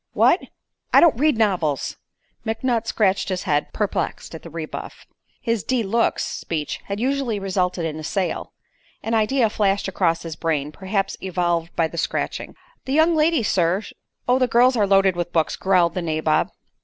"What!" "I don't read novels." McNutt scratched his head, perplexed at the rebuff. His "dee looks" speech had usually resulted in a sale. An idea flashed across his brain perhaps evolved by the scratching. "The young lady, sir " "Oh, the girls are loaded with books," growled the nabob.